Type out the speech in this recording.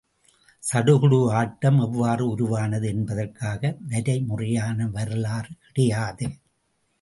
சடுகுடு ஆட்டம் எவ்வாறு உருவானது என்பதற்காக வரைமுறையான வரலாறு கிடையாது.